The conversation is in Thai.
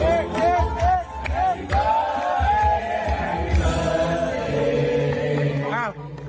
แฮปปี้เบิร์สเจทูยู